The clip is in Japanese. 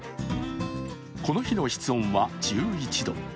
この日の室温は１１度。